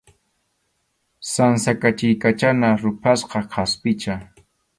Sansa qachiykachana ruphasqa kʼaspicha.